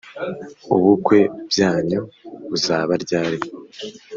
Ubukwe byanyu buzaba ryari